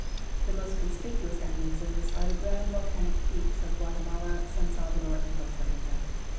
The most cons])icuous eminences are the grand volcanic peaks of Guate mala, San Salvador, and Costa Rica.